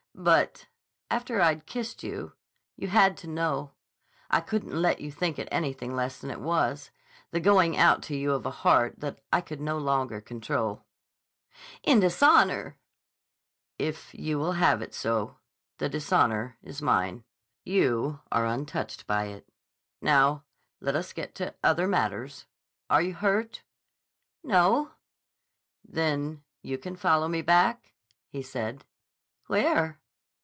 But—after I'd kissed you—you had to know. I couldn't let you think it anything less than it was, the going out to you of a heart that I could no longer control." "In dishonor!" "If you will have it so. The dishonor is mine. You are untouched by it.... Now, let us get to other matters. Are you hurt?" "No." "Then you can follow me back?" he said. "Where?"